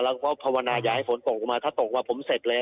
แล้วก็ภาวนาอยากให้ฝนตกลงมาถ้าตกว่าผมเสร็จแล้ว